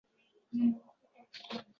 G’animda yo’q gapim manim.